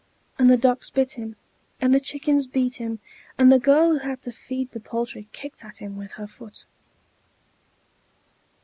And the ducks bit him, and the chickens beat him, and the girl who had to feed the poultry kicked at him with her foot.